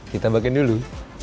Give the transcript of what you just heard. kita makan dulu